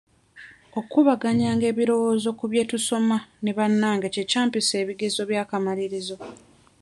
Okubaganya ebirowoozo ku bye tusoma ne bannange kye kyampisa ebigezo by'akamalirizo.